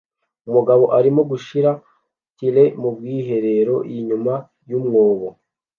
Umugabo arimo gushira tile mubwiherero inyuma yumwobo